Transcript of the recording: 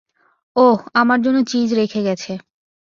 ওহ, আমার জন্য চিজ রেখে গেছে!